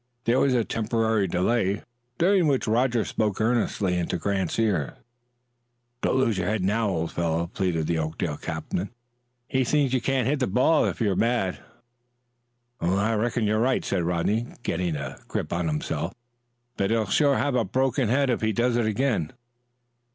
There was a temporary delay, during which Roger spoke earnestly into Grant's ear. "Don't lose your head now, old fellow," pleaded the Oakdale captain. "That's what he wants you to do. He thinks you can't hit the ball if you're mad." "I reckon you're right," said Rodney, getting a grip on himself; "but he'll sure have a broken head if he does it again."